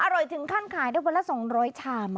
อร่อยถึงขั้นขายได้เวลา๒๐๐ชาม